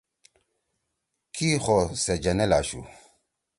کی خو سے جنئیل آشو